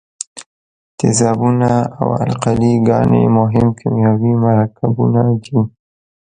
تیزابونه او القلي ګانې مهم کیمیاوي مرکبونه دي.